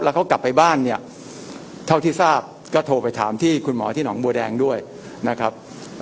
เขากลับไปบ้านเนี่ยเท่าที่ทราบก็โทรไปถามที่คุณหมอที่หนองบัวแดงด้วยนะครับ